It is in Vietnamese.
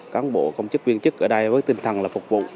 cán bộ công chức viên chức ở đây với tinh thần là phục vụ